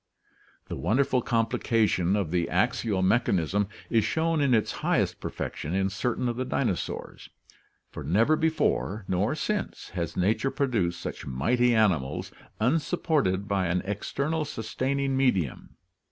The wonderful complication of the axial mechanism is shown in its highest perfection in certain of the dinosaurs, for never before nor since has nature produced such mighty animals unsupported by an external sustaining medium.